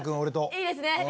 いいですね。